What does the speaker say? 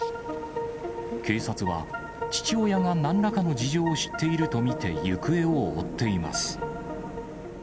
警察は父親がなんらかの事情を知っていると見て、行方を追っています。